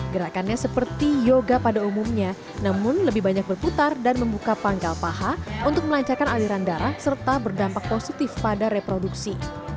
gerakannya seperti yoga pada umumnya namun lebih banyak berputar dan membuka panggal paha untuk melancarkan aliran darah serta berdampak positif pada reproduksi